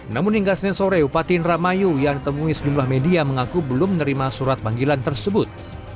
namun hingga senin sore upati indramayu yang ditemui sejumlah media mengaku belum menerima surat panggilan tersebut